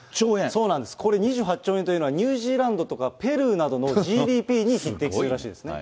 そうなんです、これ２８兆円というのは、ニュージーランドとかペルーなどのＧＤＰに匹敵するらしいですね。